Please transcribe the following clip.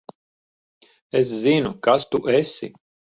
Es zinu, kas tu esi.